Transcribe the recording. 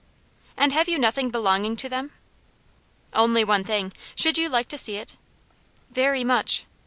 "And have you nothing belonging to them?" "Only one thing. Should you like to see it?" "Very much."